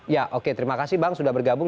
ya oke terima kasih bang sudah bergabung